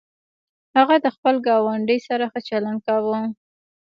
هغه د خپل ګاونډي سره ښه چلند کاوه.